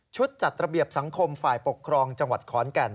จัดระเบียบสังคมฝ่ายปกครองจังหวัดขอนแก่น